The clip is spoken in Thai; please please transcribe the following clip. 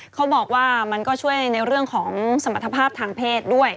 เขาบอกว่ามันก็ช่วยในเรื่องของสมรรถภาพทางเพศด้วย